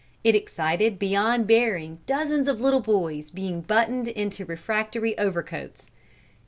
It excited beyond bearing dozens of little boys being buttoned into refractory overcoats.